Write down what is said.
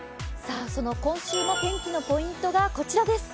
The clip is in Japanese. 今週の天気のポイントがこちらです。